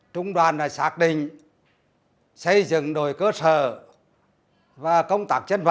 trung đoàn là xác định xây dựng đồi cơ sở và công tạc chất vận